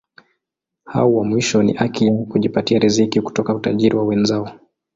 Hao wa mwisho ni haki yao kujipatia riziki kutoka utajiri wa wenzao.